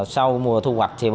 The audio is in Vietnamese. sau mùa thu hoạch